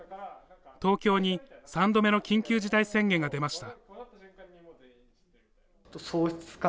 東京に３度目の緊急事態宣言が出ました。